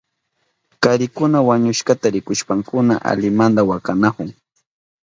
Karikuna wañushkata rikushpankuna alimanta wakanahun.